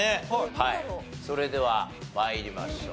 それでは参りましょう。